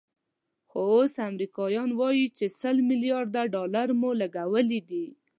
خو اوس امریکایان وایي چې سل ملیارده ډالر مو لګولي دي.